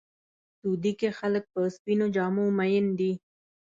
سعودي کې خلک په سپینو جامو مین دي.